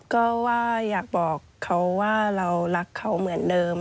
ก็ว่าอยากบอกเขาว่าเรารักเขาเหมือนเดิม